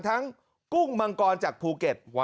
กุ้งมังกรจากภูเก็ต